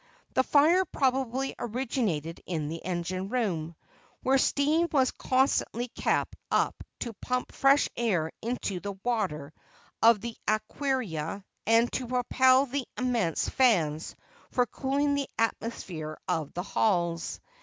The fire probably originated in the engine room, where steam was constantly kept up to pump fresh air into the water of the aquaria and to propel the immense fans for cooling the atmosphere of the halls.